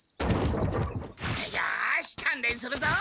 よしたんれんするぞ！